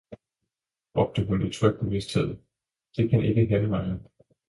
råbte hun i tryg bevidsthed, det kan ikke henvejre!